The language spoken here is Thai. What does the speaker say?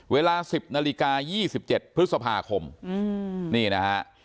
เวลาสิบนาฬิกายี่สิบเจ็ดพฤษภาคมอืมนี่นะฮะ